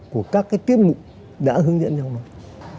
của các tiết mục đã hướng dẫn nhau